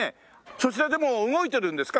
そちらでも動いてるんですか？